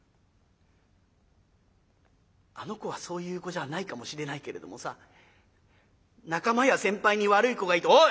「あの子はそういう子じゃないかもしれないけれどもさ仲間や先輩に悪い子がいて」。